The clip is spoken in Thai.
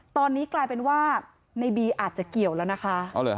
ตอนนี้กลายเป็นว่าในบีอาจจะเกี่ยวแล้วนะคะ